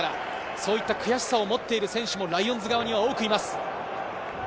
そういった悔しさを持っている選手もライオンズ側には多くいます。